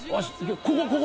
ここ！